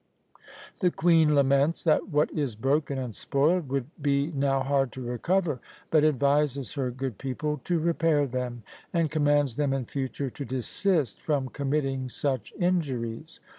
The queen laments that what is broken and spoiled would be now hard to recover, but advises her good people to repair them; and commands them in future to desist from committing such injuries.